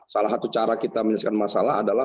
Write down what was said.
salah satu cara kita menyelesaikan masalah adalah